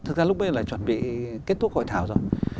thực ra lúc đấy là chuẩn bị kết thúc hội thảo rồi